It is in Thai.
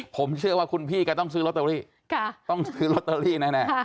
ผมเชื่อว่าคุณพี่ก็ต้องซื้อรอเตอรี่ค่ะต้องซื้อรอเตอรี่แน่แน่ค่ะ